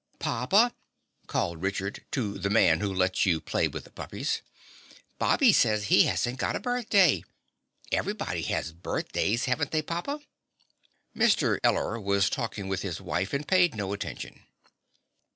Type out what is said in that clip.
"Papa," called Richard to the Man Who Lets You Play with the Puppy, "Bobby says he hasn't got a birthday. Everybody has birthdays, haven't they, papa?" Mr. Eller was talking with his wife and paid no attention.